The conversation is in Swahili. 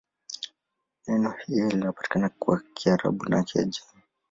Neno hili linapatikana kwa Kiarabu na Kiajemi.